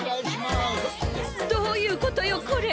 どういうことよこれ！？